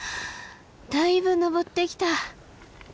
だいぶ登ってきた。